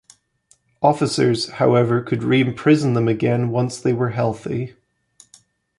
Officers, however, could re-imprison them again once they were healthy.